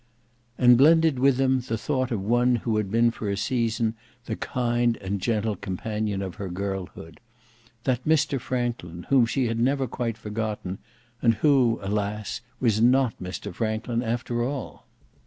And blended with them the thought of one who had been for a season the kind and gentle companion of her girlhood—that Mr Franklin whom she had never quite forgotten, and who, alas! was not Mr Franklin after all.